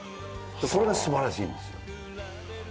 それが素晴らしいんですよ。